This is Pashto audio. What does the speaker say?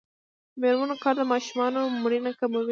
د میرمنو کار د ماشومانو مړینه کموي.